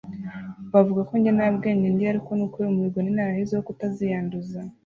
bavuga ko njye nta bwenge ngira, ariko n’ukubera umuhigo nari narahize wo kutaziyanduza